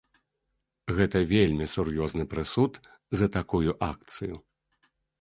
Гэта вельмі сур'ёзны прысуд за такую акцыю.